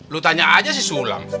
lo tanya aja si sulam